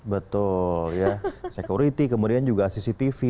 betul ya security kemudian juga cctv